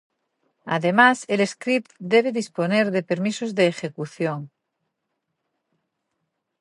Además, el script debe disponer de permisos de ejecución.